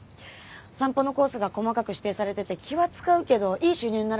散歩のコースが細かく指定されてて気は使うけどいい収入になるんですよ。